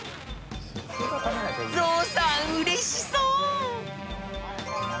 ゾウさんうれしそう。